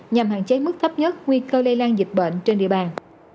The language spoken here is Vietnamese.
nhằm hạn chế mức thấp nhất nguy cơ lây lan dịch bệnh trên địa bàn